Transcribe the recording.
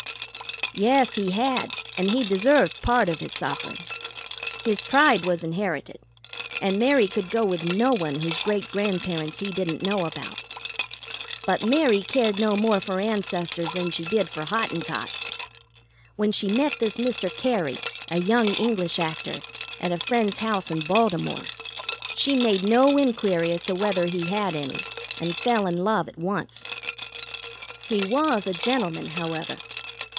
"Yes, he had, and he deserved part of his suffering. His pride was inherited, and Mary could go with no one whose great grandparents he didn't know about. But Mary cared no more for ancestors than she did for Hottentots. When she met this Mr. Cary, a young English actor, at a friend's house in Baltimore, she made no inquiry as to whether he had any, and fell in love at once. He was a gentleman, however.